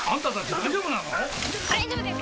大丈夫です